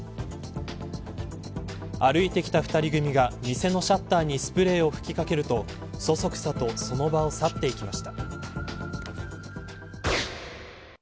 歩いてきた２人組が店のシャッターにスプレーを吹きかけるとそそくさとその場を去っていきました。